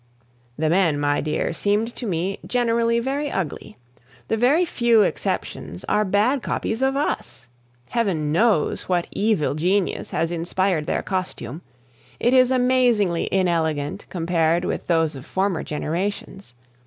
The men, my dear, seemed to me generally very ugly. The very few exceptions are bad copies of us. Heaven knows what evil genius has inspired their costume; it is amazingly inelegant compared with those of former generations.